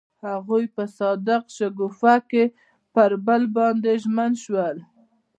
هغوی په صادق شګوفه کې پر بل باندې ژمن شول.